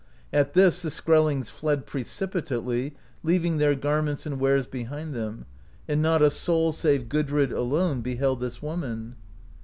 At this the Skrellings fled precipitately, leaving their garments and wares be hind theni; and not a soul, save Gudrid alone, beheld this woman.